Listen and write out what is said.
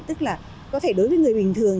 tức là có thể đối với người bình thường